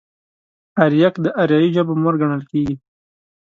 اريک د اريايي ژبو مور ګڼل کېږي.